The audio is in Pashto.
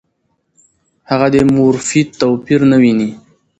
هغه د مورفي توپیر نه ویني.